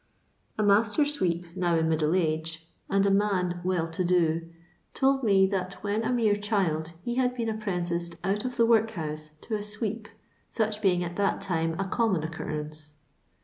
A ma!iter sweep, now in middle age, and a man " well to do," told me that when a mere child he had been apprenticed out of the workhouse to a sweep, such being at that time a common occurrence.